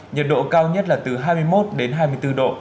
nhiệt độ cao nhất là từ hai mươi một đến hai mươi bốn độ